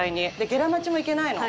ゲラ待ちもいけないの。